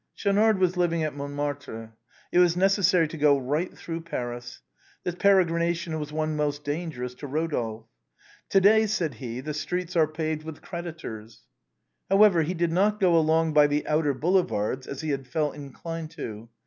Schaunard was living at Montmartre. It was necessary to go right through Paris. This peregrination was one most dangerous to Eodolphe. " To day," said he, " the streets are paved with creditors." However, he did not go along by the outer Boulevards, as he had felt inclined to.